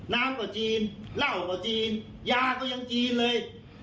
น้ำก็จีนเหล้ากว่าจีนยาก็ยังจีนเลย